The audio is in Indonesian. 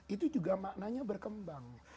itu juga maknanya berkembang